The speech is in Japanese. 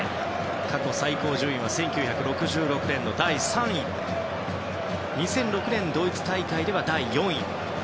過去最高順位は１９６６年の第３位２００６年、ドイツ大会では第４位。